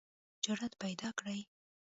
جرئت پیداکړئ